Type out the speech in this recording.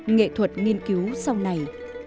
nghệ thuật nghiên cứu sau này